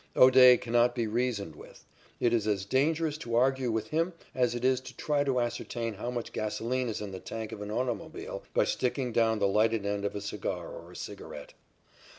O'Day cannot be reasoned with. It is as dangerous to argue with him as it is to try to ascertain how much gasoline is in the tank of an automobile by sticking down the lighted end of a cigar or a cigarette.